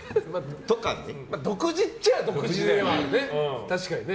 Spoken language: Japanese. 独自っちゃ独自ではあるね